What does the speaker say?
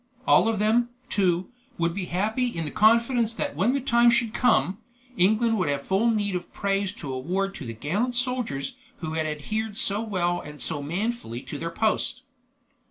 All of them, too, would be happy in the confidence that when the time should come, England would have full meed of praise to award to the gallant soldiers who had adhered so well and so manfully to their post.